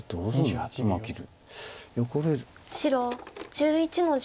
白１１の十。